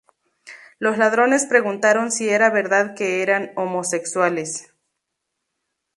Los ladrones preguntaron si era verdad que eran homosexuales.